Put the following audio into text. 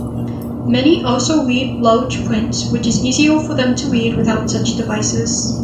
Many also read large-print, which is easier for them to read without such devices.